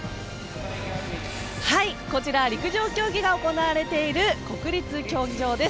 こちら陸上競技が行われている国立競技場です。